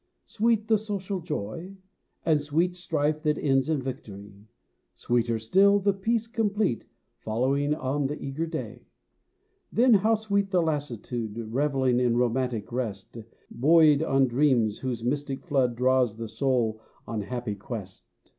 Sweet the social joy, and sweet Strife that ends in victory; Sweeter still the peace complete Following on the eager day. Then how sweet the lassitude, Revelling in romantic rest, Buoyed on dreams, whose mystic flood Draws the soul on happy quest.